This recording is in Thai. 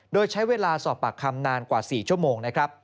โดยใช้เวลาสอบปากคำนานกว่า๔ชั่วโมงนะครับ